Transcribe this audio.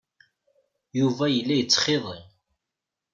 Yuba yella yettxiḍi.